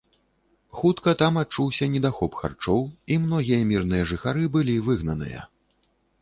Хутка там адчуўся недахоп харчоў, і многія мірныя жыхары былі выгнаныя.